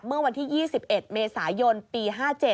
เมื่อวันที่๒๑เมษายนปี๕๗